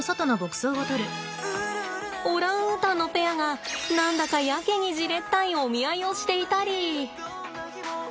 オランウータンのペアが何だかやけにじれったいお見合いをしていたり。